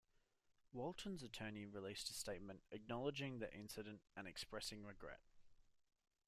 Walton's attorney released a statement acknowledging the incident and expressing regret.